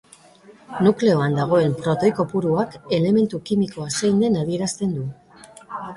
Nukleoan dagoen protoi kopuruak elementu kimikoa zein den adierazten du.